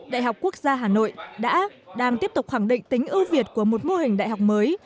đại học quốc gia hà nội đã đang tiếp tục khẳng định tính ưu việt của một mô hình đại học mới